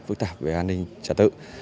phức tạp về an ninh trả tự